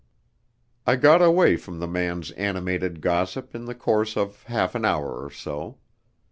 I got away from the man's animated gossip in the course of half an hour or so.